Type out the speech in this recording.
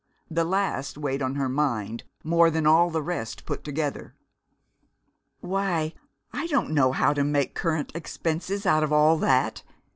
The last weighed on her mind more than all the rest put together. "Why, I don't know how to make Current Expenses out of all that!"